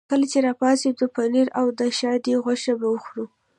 کله چې را پاڅېدو پنیر او د شادي غوښه به وخورو.